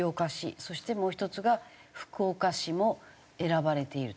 そしてもう１つが福岡市も選ばれていると。